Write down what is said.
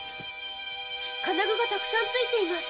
金具がたくさんついています。